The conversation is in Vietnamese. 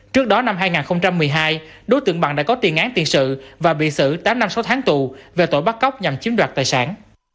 trước đó năm hai nghìn một mươi hai đối tượng bằng đã có tiền án tiền sự và bị xử tám năm sáu tháng tù về tội bắt cóc nhằm chiếm đoạt tài sản